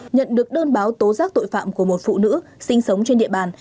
nhận được đơn báo tố giác tội phạm của một phụ nữ sinh sống trên địa bàn